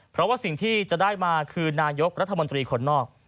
เพราะว่าสิ่งที่จะได้มาคือนายกรัฐมนตรีคนนอก